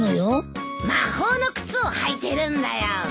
魔法の靴を履いてるんだよ。